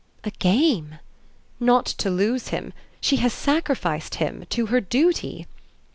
"A game?" "Not to lose him. She has sacrificed him to her duty."